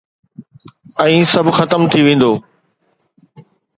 ۽ سڀ ختم ٿي ويندو